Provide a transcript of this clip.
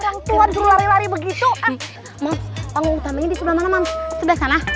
orang tua tua lari lari begitu anggung tamenya di sebelah mana maksudnya sana